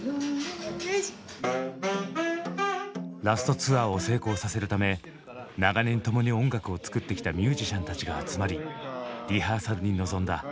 ラスト・ツアーを成功させるため長年共に音楽を作ってきたミュージシャンたちが集まりリハーサルに臨んだ。